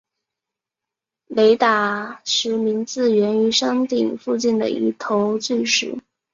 雷打石名字源于山顶附近的一头巨石。